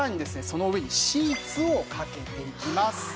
その上にシーツをかけていきます。